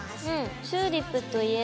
チューリップといえば。